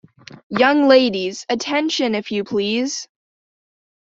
Young ladies, attention, if you please!